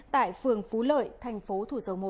tại phường phú lợi thành phố thủ sầu một